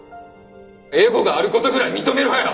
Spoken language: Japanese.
エゴがあることぐらい認めろよ！